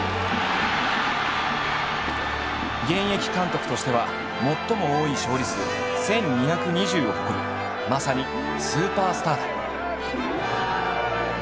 現役監督としては最も多い勝利数１，２２０を誇るまさにスーパースターだ。